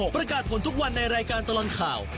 ประกาศผลทุกวันในรายการตลอดข่าว